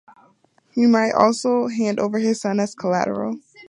He might also hand over his son as collateral.